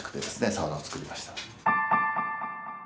サウナを作りました。